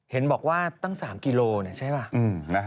เห็นบอกว่าตั้ง๓กิโลเนี่ยใช่ไหม